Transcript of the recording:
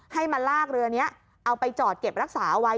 ให้มาลากเรือนี้เอาไปจอดเก็บรักษาเอาไว้